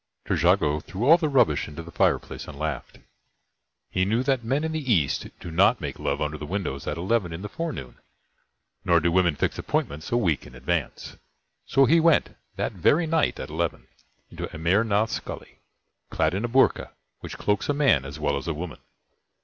Trejago threw all the rubbish into the fireplace and laughed. He knew that men in the East do not make love under windows at eleven in the forenoon, nor do women fix appointments a week in advance. So he went, that very night at eleven, into Amir Nath's Gully, clad in a boorka, which cloaks a man as well as a woman.